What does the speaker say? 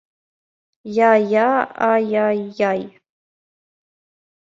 Йа-йа, а-йа-йай.